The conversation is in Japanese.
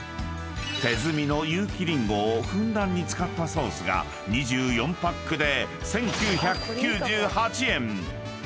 ［手摘みの有機りんごをふんだんに使ったソースが２４パックで］